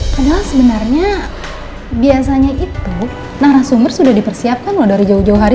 padahal sebenarnya biasanya itu narasumber sudah dipersiapkan loh dari jauh jauh hari